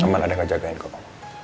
aman ada yang ngejagain kamu